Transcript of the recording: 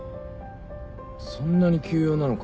そんなに急用なのか？